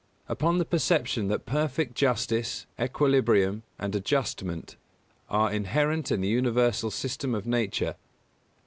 Upon the perception that perfect justice, equilibrium and adjustment are inherent in the universal system of Nature.